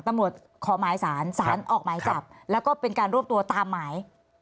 ขอหมายสารสารออกหมายจับแล้วก็เป็นการรวบตัวตามหมาย